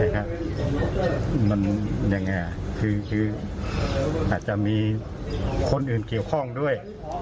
คืออาจจะมีคนอื่นเกี่ยวข้องด้วย